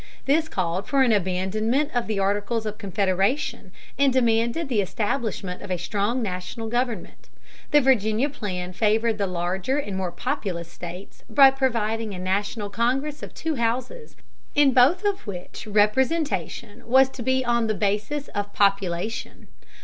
This called for an abandonment of the Articles of Confederation and demanded the establishment of a strong national government. The Virginia plan favored the larger and more populous states by providing a national Congress of two houses, in both of which representation was to be on the basis of population.